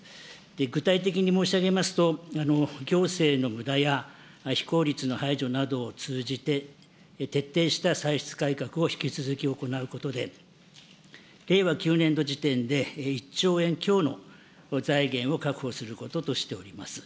具体的に申し上げますと、行政のむだや非効率の排除などを通じて、徹底した歳出改革を引き続き行うことで、令和９年度時点で、１兆円強の財源を確保することとしております。